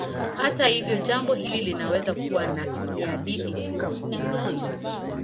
Hata hivyo, jambo hili linaweza kuwa ni hadithi tu ya mijini.